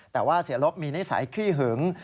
แต่ว่าเสียลบมีนิสัยขี้หึง